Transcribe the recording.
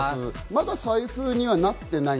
まだ台風にはなってない？